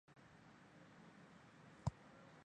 爱丁堡为沿岸城市。